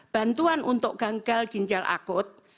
bantuan untuk gagal ginjal akut